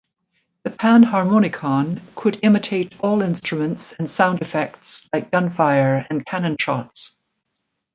The Panharmonicon could imitate all instruments and sound effects like gunfire and cannon shots.